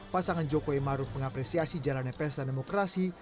pasangan jokowi marut mengapresiasi jalannya pesan demokrasi